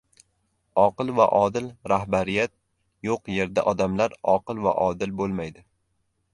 Oqil va odil rahbariyat yo‘q yerda odamlar oqil va odil bo‘lmaydi.